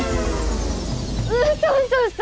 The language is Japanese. うそうそうそ！